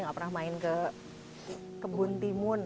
nggak pernah main ke kebun timun